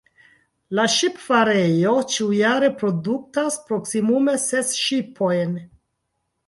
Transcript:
La ŝipfarejo ĉiujare produktas proksimume ses ŝipojn.